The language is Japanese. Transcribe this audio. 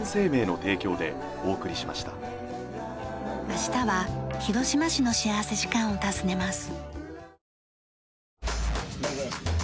明日は広島市の幸福時間を訪ねます。